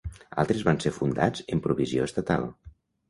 Altres van ser fundats en provisió estatal.